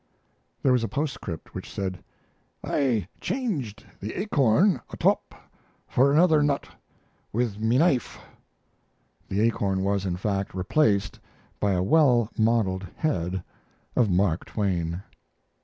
There was a postcript which said: "I changed the acorn atop for another nut with my knife." The acorn was, in fact, replaced by a well modeled head of Mark Twain.